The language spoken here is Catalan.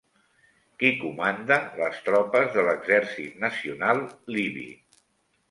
Qui comanda les tropes de l'Exèrcit Nacional Libi?